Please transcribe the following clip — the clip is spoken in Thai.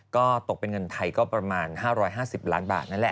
ก็ตกเป็นเงินไทยก็ประมาณ๕๕๐ล้านบาทนั่นแหละ